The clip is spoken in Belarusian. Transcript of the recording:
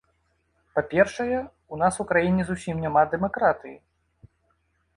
Па-першае, у нас у краіне зусім няма дэмакратыі.